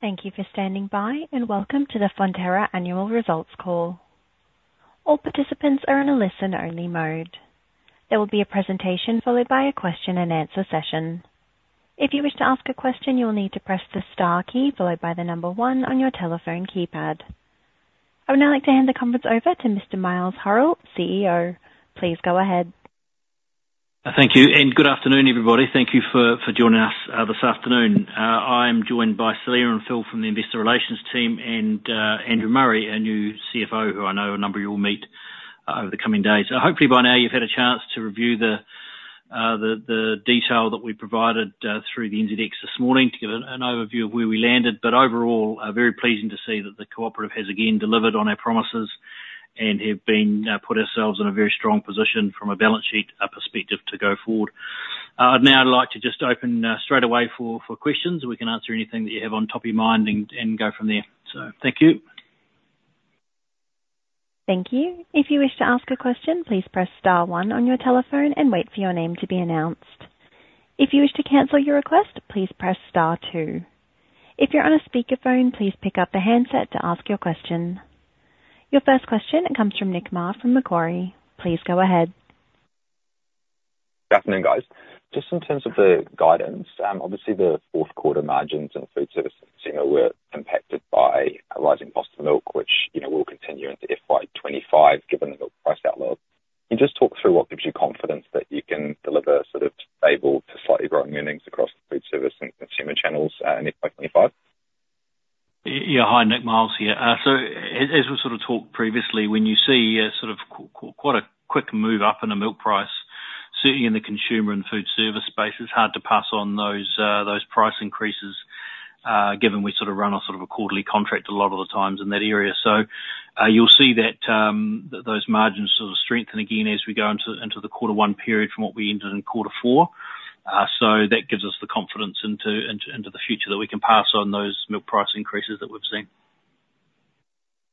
Thank you for standing by, and welcome to the Fonterra Annual Results Call. All participants are in a listen-only mode. There will be a presentation, followed by a question-and-answer session. If you wish to ask a question, you will need to press the star key, followed by the number one on your telephone keypad. I would now like to hand the conference over to Mr. Miles Hurrell, CEO. Please go ahead. Thank you, and good afternoon, everybody. Thank you for joining us this afternoon. I'm joined by Selina and Phil from the investor relations team, and Andrew Murray, our new CFO, who I know a number of you will meet over the coming days. So hopefully by now you've had a chance to review the detail that we provided through the NZX this morning to give an overview of where we landed. But overall, very pleasing to see that the cooperative has, again, delivered on our promises, and have been put ourselves in a very strong position from a balance sheet perspective to go forward. I'd now like to just open straight away for questions. We can answer anything that you have on top of your mind and go from there. So thank you. Thank you. If you wish to ask a question, please press star one on your telephone and wait for your name to be announced. If you wish to cancel your request, please press star two. If you're on a speakerphone, please pick up the handset to ask your question. Your first question comes from Nick Mar from Macquarie. Please go ahead. Good afternoon, guys. Just in terms of the guidance, obviously the fourth quarter margins and Foodservice and Consumer were impacted by a rising cost of milk, which, you know, will continue into FY 2025, given the milk price outlook. Can you just talk through what gives you confidence that you can deliver sort of stable to slightly growing earnings across the Foodservice and Consumer channels, in FY 2025? Yeah. Hi, Nick, Miles here. So as we sort of talked previously, when you see sort of quite a quick move up in a milk price, certainly in the Consumer and Foodservice space, it's hard to pass on those price increases, given we sort of run on sort of a quarterly contract a lot of the times in that area. So you'll see that those margins sort of strengthen again as we go into the quarter one period from what we entered in quarter four. So that gives us the confidence into the future that we can pass on those milk price increases that we've seen.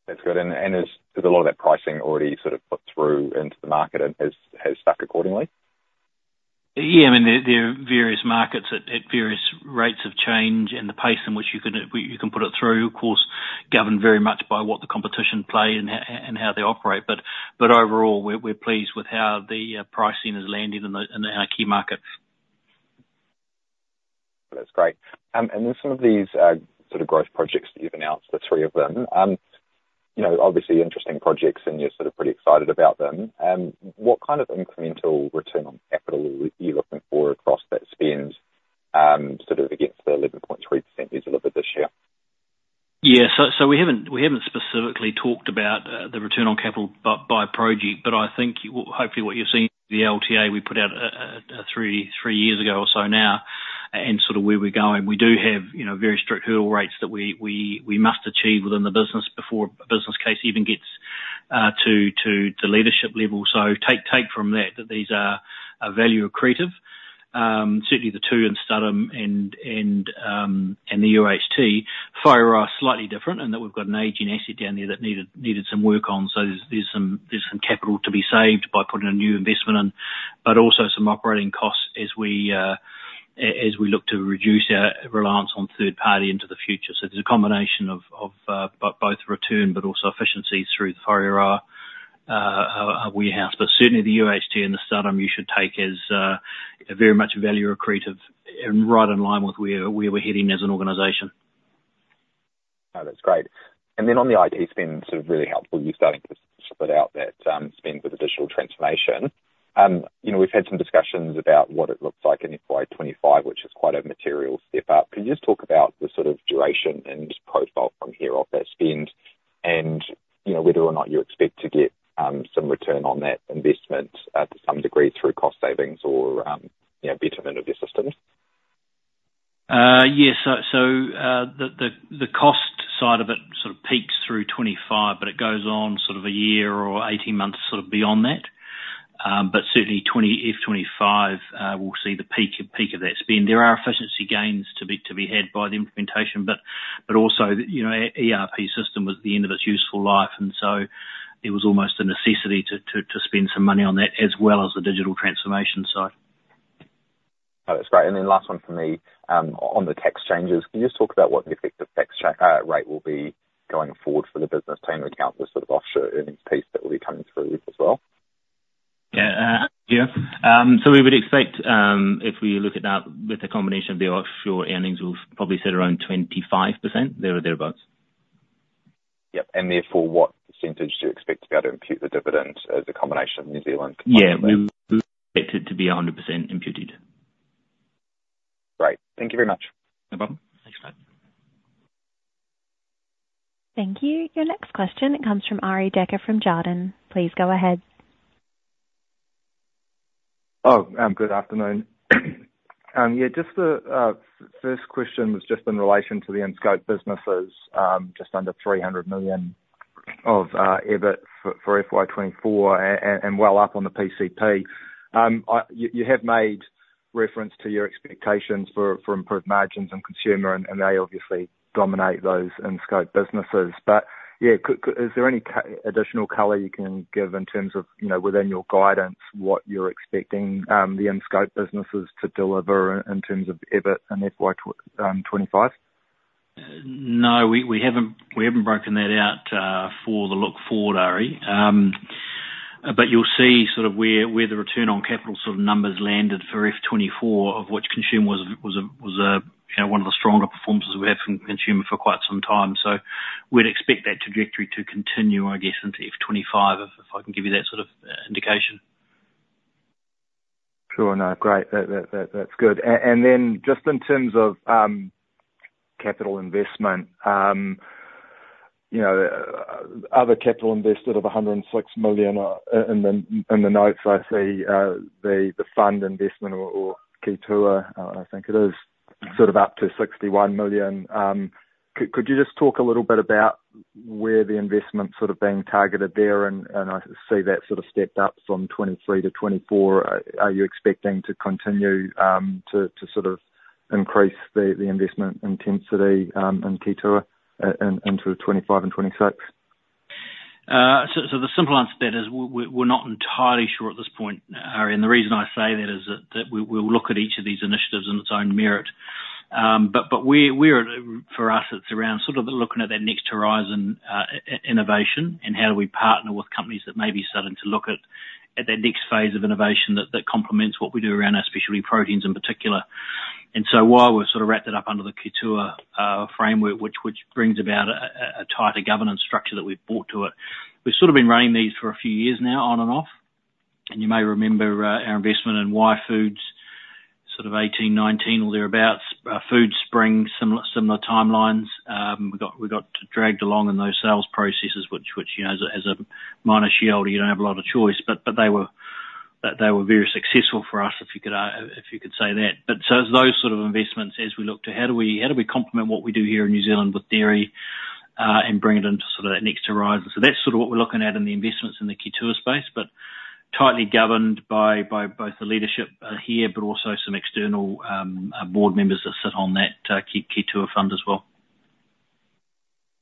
That's good, and is a lot of that pricing already sort of put through into the market and has stuck accordingly? Yeah, I mean, there are various markets at various rates of change, and the pace in which you can put it through, of course, governed very much by what the competition play and how they operate. But overall, we're pleased with how the pricing has landed in our key markets. That's great. And then some of these, sort of growth projects that you've announced, the three of them, you know, obviously interesting projects, and you're sort of pretty excited about them. What kind of incremental return on capital are you looking for across that spend, sort of against the 11.3% you delivered this year? Yeah. So we haven't specifically talked about the return on capital by project, but I think hopefully what you're seeing, the LTA we put out three years ago or so now, and sort of where we're going, we do have, you know, very strict hurdle rates that we must achieve within the business before a business case even gets to leadership level. So take from that that these are value accretive. Certainly the two in Studholme and the UHT Whareroa are slightly different in that we've got an aging asset down there that needed some work on, so there's some capital to be saved by putting a new investment in. But also some operating costs as we look to reduce our reliance on third party into the future. So there's a combination of both return, but also efficiencies through the Whareroa warehouse. But certainly the UHT and the Studholme, you should take as very much value accretive and right in line with where we're heading as an organization. No, that's great. And then on the IT spend, sort of really helpful, you're starting to split out that spend with digital transformation. You know, we've had some discussions about what it looks like in FY 2025, which is quite a material step up. Can you just talk about the sort of duration and just profile from here of that spend? And, you know, whether or not you expect to get some return on that investment to some degree through cost savings or, you know, betterment of your systems? Yes. So, the cost side of it sort of peaks through twenty-five, but it goes on sort of a year or eighteen months, sort of beyond that. But certainly 2025, we'll see the peak of that spend. There are efficiency gains to be had by the implementation, but also, you know, our ERP system was at the end of its useful life, and so it was almost a necessity to spend some money on that, as well as the digital transformation side. Oh, that's great. And then last one from me. On the tax changes, can you just talk about what the effective tax rate will be going forward for the business, taking account the sort of offshore earnings piece that will be coming through as well? Yeah. Yeah. So we would expect, if we look at that with a combination of the offshore earnings, we'll probably sit around 25%, there or thereabouts. Yep. And therefore, what percentage do you expect to be able to impute the dividend as a combination of New Zealand- Yeah, we expect it to be 100% imputed. Great. Thank you very much. No problem. Thanks, Nick. Thank you. Your next question comes from Arie Dekker from Jarden. Please go ahead. Oh, good afternoon. Yeah, just the first question was just in relation to the in-scope businesses, just under 300 million of EBIT for FY 2024 and well up on the PCP. You have made reference to your expectations for improved margins in Consumer, and they obviously dominate those in-scope businesses. But yeah, is there any additional color you can give in terms of, you know, within your guidance, what you're expecting, the in-scope businesses to deliver in terms of EBIT in FY 2025?... No, we haven't broken that out for the look forward, Ari. But you'll see sort of where the return on capital sort of numbers landed for F 2024, of which Consumer was a, you know, one of the stronger performances we've had from Consumer for quite some time. So we'd expect that trajectory to continue, I guess, into F 2025, if I can give you that sort of indication. Sure enough. Great. That's good. And then just in terms of capital investment, you know, other capital invested of 106 million, in the notes, I see the fund investment or Ki Tua, I think it is, sort of up to 61 million. Could you just talk a little bit about where the investment sort of being targeted there? And I see that sort of stepped up from 2023 to 2024. Are you expecting to continue to sort of increase the investment intensity in Ki Tua into 2025 and 2026? So, the simple answer to that is we're not entirely sure at this point, Arie, and the reason I say that is that we will look at each of these initiatives in its own merit, but for us, it's around sort of looking at that next horizon, innovation, and how do we partner with companies that may be starting to look at that next phase of innovation that complements what we do around our specialty proteins, in particular, and so while we're sort of wrapped it up under the Ki Tua framework, which brings about a tighter governance structure that we've brought to it. We've sort of been running these for a few years now, on and off, and you may remember our investment in yFood, sort of 2018, 2019, or thereabout, Foodspring, similar timelines. We got dragged along in those sales processes which, you know, as a minor shareholder, you don't have a lot of choice. But they were very successful for us, if you could say that. But so it's those sort of investments as we look to how do we complement what we do here in New Zealand with dairy, and bring it into sort of that next horizon? So that's sort of what we're looking at in the investments in the Ki Tua space, but tightly governed by both the leadership here, but also some external board members that sit on that Ki Tua fund as well.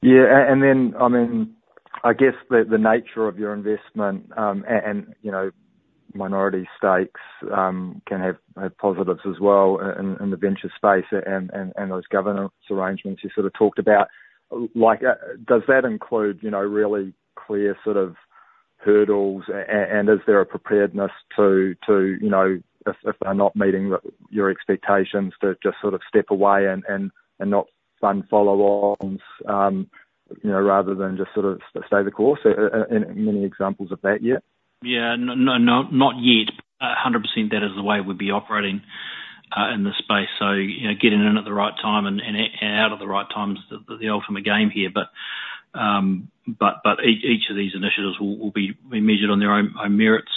Yeah. And then, I mean, I guess the nature of your investment, and, you know, minority stakes, can have positives as well in the venture space and those governance arrangements you sort of talked about. Like, does that include, you know, really clear sort of hurdles, and is there a preparedness to, you know, if they're not meeting your expectations, to just sort of step away and not fund follow-ons, you know, rather than just sort of stay the course, any examples of that yet? Yeah. No, not yet, 100% that is the way we'd be operating in this space. So, you know, getting in at the right time and out of the right time is the ultimate game here. But, but each of these initiatives will be measured on their own merits.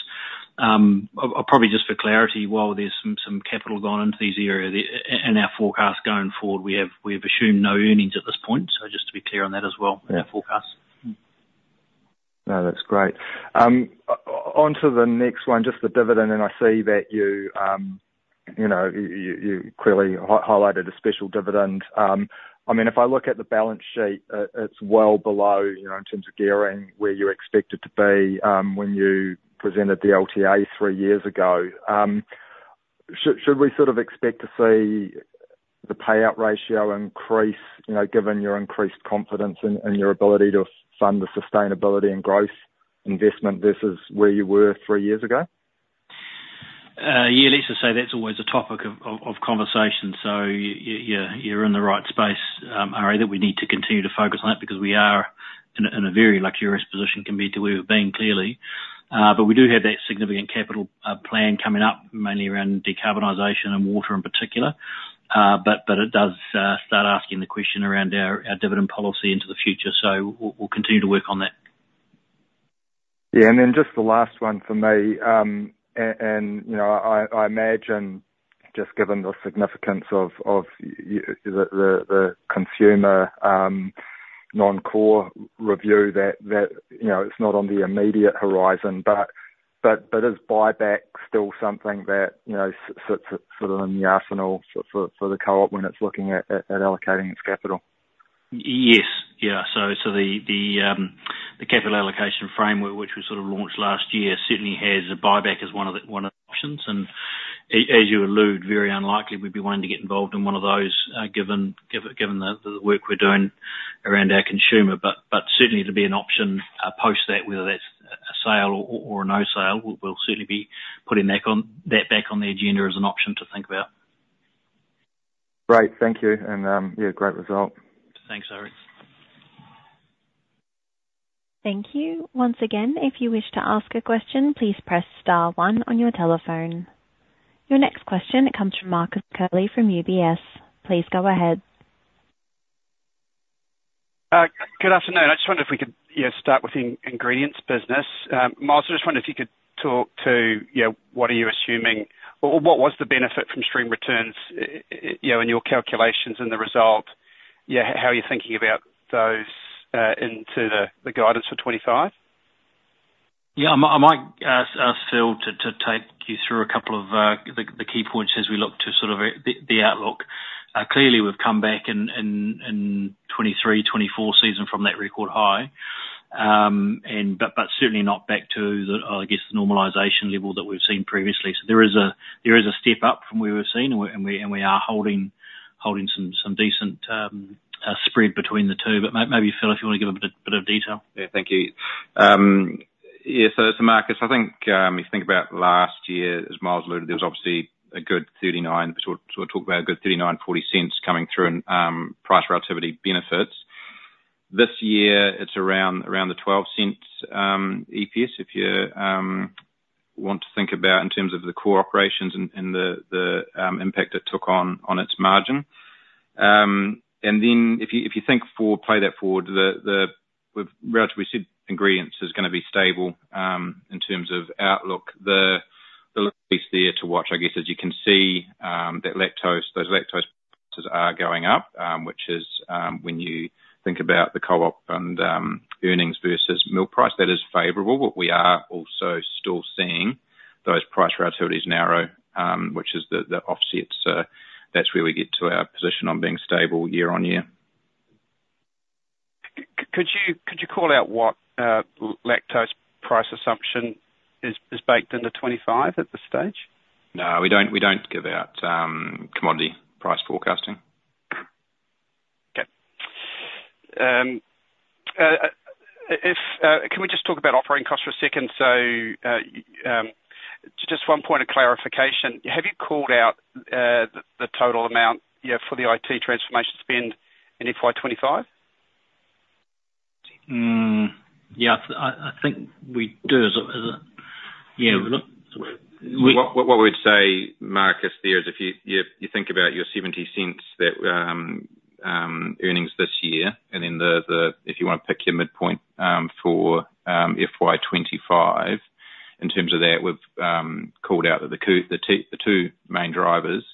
Probably just for clarity, while there's some capital gone into these areas, in our forecast going forward, we have assumed no earnings at this point. So just to be clear on that as well, in our forecast. No, that's great. On to the next one, just the dividend, and I see that you, you know, clearly highlighted a special dividend. I mean, if I look at the balance sheet, it's well below, you know, in terms of gearing, where you expect it to be, when you presented the LTA three years ago. Should we sort of expect to see the payout ratio increase, you know, given your increased confidence in your ability to fund the sustainability and growth investment versus where you were three years ago? Yeah, let's just say that's always a topic of conversation. So yeah, you're in the right space, Arie, that we need to continue to focus on it because we are in a very luxurious position compared to where we've been, clearly. But we do have that significant capital plan coming up, mainly around decarbonization and water in particular. But it does start asking the question around our dividend policy into the future. So we'll continue to work on that. Yeah, and then just the last one for me, and you know, I imagine just given the significance of the Consumer non-core review, that you know, it's not on the immediate horizon. But is buyback still something that, you know, sits sort of in the arsenal for the co-op when it's looking at allocating its capital? Yes. Yeah. So the capital allocation framework, which we sort of launched last year, certainly has a buyback as one of the options. And as you allude, very unlikely we'd be wanting to get involved in one of those, given the work we're doing around our Consumer. But certainly to be an option, post that, whether that's a sale or no sale, we'll certainly be putting that back on the agenda as an option to think about. Great. Thank you. And, yeah, great result. Thanks, Arie. Thank you. Once again, if you wish to ask a question, please press star one on your telephone. Your next question comes from Marcus Curley from UBS. Please go ahead. Good afternoon. I just wondered if we could, you know, start with the ingredients business. Miles, I just wondered if you could talk to, you know, what are you assuming or, or what was the benefit from stream returns, you know, in your calculations and the result? Yeah, how are you thinking about those, into the, the guidance for 2025? Yeah, I might ask Phil to take you through a couple of the key points as we look to sort of the outlook. Clearly, we've come back in 2023, 2024 season from that record high, but certainly not back to the I guess normalization level that we've seen previously. So there is a step up from where we've seen, and we are holding some decent spread between the two. But maybe, Phil, if you wanna give a bit of detail. Yeah, thank you. Yeah, so Marcus, I think if you think about last year, as Miles alluded, there was obviously a good 0.39-0.40 coming through in price relativity benefits. This year, it's around the 0.12 EPS, if you want to think about in terms of the core operations and the impact it took on its margin. And then if you think forward, play that forward, with relative receipt ingredients is gonna be stable in terms of outlook. The piece there to watch, I guess, as you can see, that lactose prices are going up, which is, when you think about the co-op and earnings versus milk price, that is favorable. But we are also still seeing those price relativities narrow, which is the offset. So that's where we get to our position on being stable year on year. Could you call out what lactose price assumption is baked into twenty-five at this stage? No, we don't, we don't give out commodity price forecasting. Okay. Can we just talk about operating costs for a second? So, just one point of clarification: have you called out the total amount, yeah, for the IT transformation spend in FY 2025? Yeah, I think we do as a... Yeah, look, we- What we'd say, Marcus, there is if you think about your 0.70 that earnings this year, and then the if you wanna pick your midpoint for FY 2025, in terms of that, we've called out that the two main drivers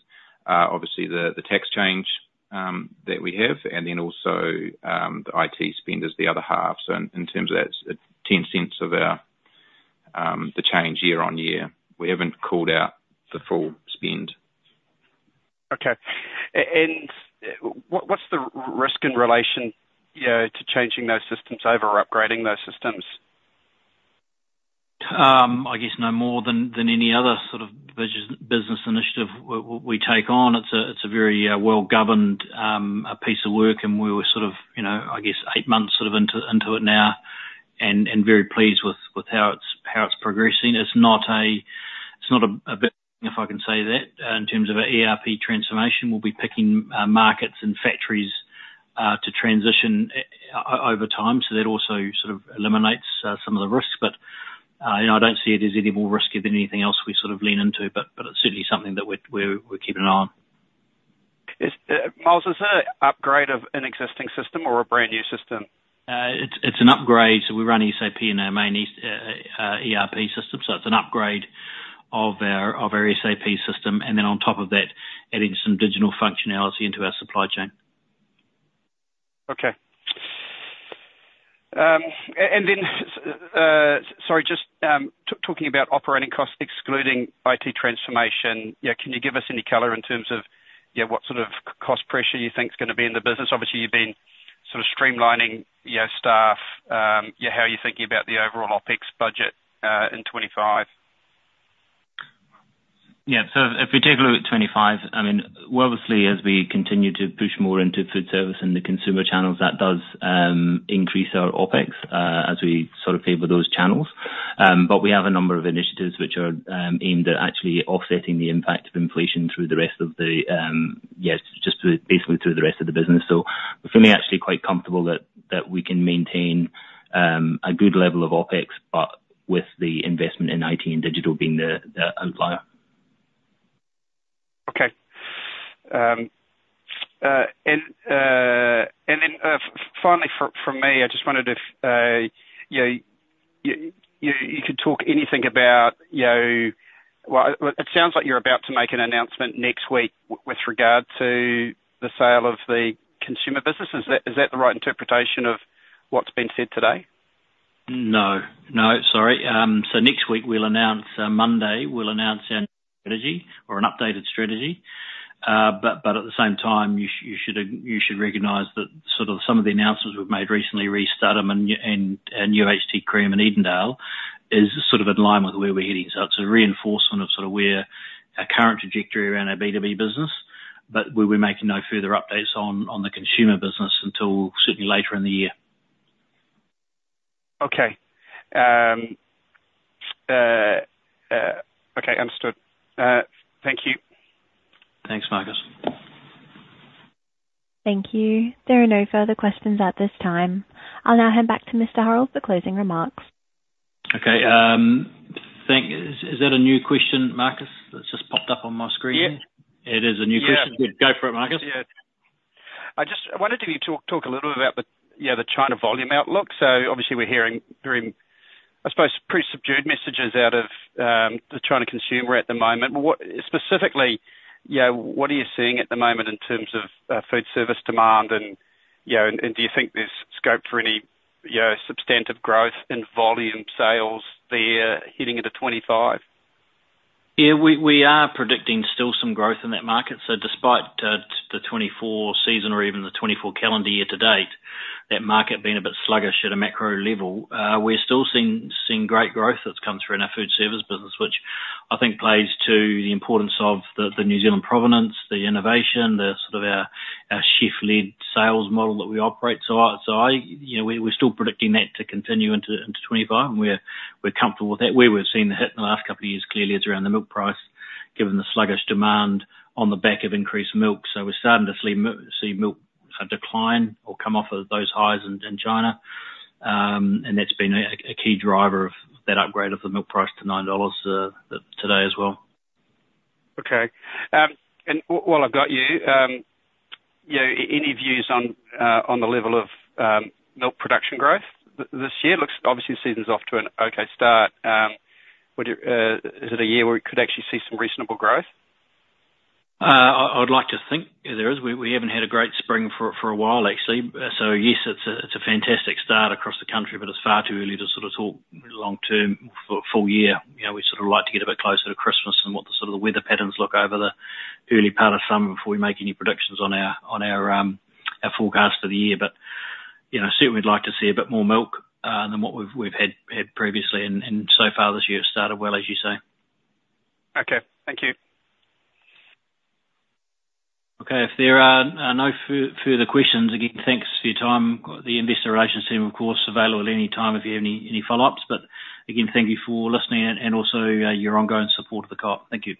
are obviously the tax change that we have, and then also the IT spend is the other half. So in terms of that, it's 0.10 of our the change year on year. We haven't called out the full spend. Okay. And what, what's the risk in relation, you know, to changing those systems over or upgrading those systems? I guess no more than than any other sort of business initiative we take on. It's a very well-governed piece of work, and we were sort of, you know, I guess, eight months sort of into it now, and very pleased with how it's progressing. It's not a bit, if I can say that, in terms of an ERP transformation, we'll be picking markets and factories to transition over time. So that also sort of eliminates some of the risks. But you know, I don't see it as any more risky than anything else we sort of lean into, but it's certainly something that we're keeping an eye on. Is, Miles, is it an upgrade of an existing system or a brand-new system? It's an upgrade, so we run SAP in our main ERP system. So it's an upgrade of our SAP system, and then on top of that, adding some digital functionality into our supply chain. Okay. And then, sorry, just talking about operating costs excluding IT transformation, yeah, can you give us any color in terms of, yeah, what sort of cost pressure you think is gonna be in the business? Obviously, you've been sort of streamlining your staff. Yeah, how are you thinking about the overall OpEx budget in 2025? Yeah. So if we take a look at 2025, I mean, well, obviously, as we continue to push more into Foodservice and the Consumer channels, that does increase our OpEx as we sort of favor those channels. But we have a number of initiatives which are aimed at actually offsetting the impact of inflation through the rest of the, yes, just through, basically through the rest of the business. So we're feeling actually quite comfortable that that we can maintain a good level of OpEx, but with the investment in IT and digital being the the outlier. Okay. And then, finally, from me, I just wondered if you could talk anything about, you know. Well, it sounds like you're about to make an announcement next week with regard to the sale of the Consumer business. Is that the right interpretation of what's been said today? No. No, sorry. So next week, we'll announce Monday, we'll announce our strategy or an updated strategy. But at the same time, you should recognize that sort of some of the announcements we've made recently, Studholme and new UHT Cream and Edendale, is sort of in line with where we're heading. So it's a reinforcement of sort of where our current trajectory around our B2B business, but we'll be making no further updates on the Consumer business until certainly later in the year. Okay. Okay, understood. Thank you. Thanks, Marcus. Thank you. There are no further questions at this time. I'll now hand back to Mr. Hurrell for closing remarks. Okay, thank you. Is that a new question, Marcus, that's just popped up on my screen? Yeah. It is a new question. Yeah. Good. Go for it, Marcus. Yeah. I just wondered if you'd talk a little bit about the, yeah, the China volume outlook. So obviously, we're hearing very, I suppose, pretty subdued messages out of the China Consumer at the moment. What, specifically, you know, what are you seeing at the moment in terms of Foodservice demand? And, you know, do you think there's scope for any, you know, substantive growth in volume sales there heading into 2025? Yeah, we are predicting still some growth in that market. So despite the 2024 season or even the 2024 calendar year to date, that market being a bit sluggish at a macro level, we're still seeing great growth that's come through in our Foodservice business, which I think plays to the importance of the New Zealand provenance, the innovation, the sort of our chef-led sales model that we operate. So I... You know, we're still predicting that to continue into 2025, and we're comfortable with that, where we've seen the hit in the last couple of years, clearly it's around the milk price, given the sluggish demand on the back of increased milk. So we're starting to see milk decline or come off of those highs in China, and that's been a key driver of that upgrade of the milk price to 9 dollars today as well. Okay. And while I've got you, you know, any views on, on the level of, milk production growth this year? Looks, obviously, the season's off to an okay start. Would you, is it a year where we could actually see some reasonable growth? I would like to think there is. We haven't had a great spring for a while, actually. So yes, it's a fantastic start across the country, but it's far too early to sort of talk long term for full year. You know, we sort of like to get a bit closer to Christmas and what the sort of the weather patterns look over the early part of summer before we make any predictions on our forecast for the year. But you know, certainly we'd like to see a bit more milk than what we've had previously. So far this year, it started well, as you say. Okay. Thank you. Okay. If there are no further questions, again, thanks for your time. The investor relations team, of course, available at any time if you have any follow-ups. But again, thank you for listening and also your ongoing support of the co-op. Thank you.